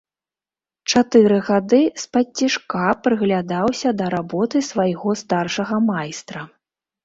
Чатыры гады спадцішка прыглядаўся да работы свайго старшага майстра.